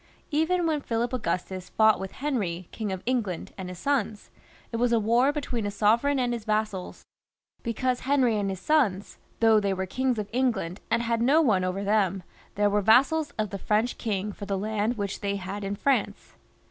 Even when Philip Augustus fought with Henry, King of England, and his sons, it was a war be tween a sovereign and his vassals, because Henry and his sons, though they were kings of England and had no one over them there, were vassals of the French king for the land which they had in France.